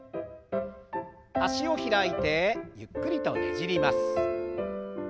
脚を開いてゆっくりとねじります。